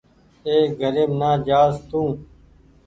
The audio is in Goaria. اي گھريم نا جآس تو